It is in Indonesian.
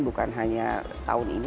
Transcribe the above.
bukan hanya tahun ini